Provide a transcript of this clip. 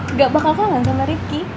enggak bakal kangen sama rifki